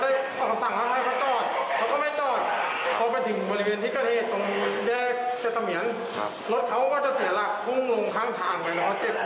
แล้วก็ตอนนี้ก็ลองดูข่าวกลางกันไม่แน่ใจว่ามีอะไรเพิ่มไหม